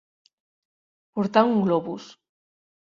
Portar un globus.